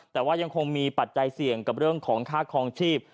แต่ว่ายังคงมีปัจจัยเสี่ยงกับเรื่องของค่าคลองชีพ